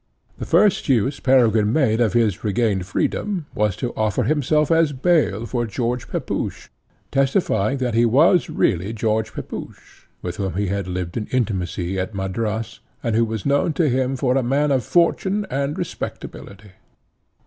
The first use Peregrine made of his regained freedom was to offer himself as bail for George Pepusch, testifying that he was really George Pepusch, with whom he had lived in intimacy at Madras, and who was known to him for a man of fortune and respectability.